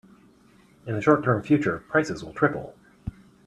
In the short term future, prices will triple.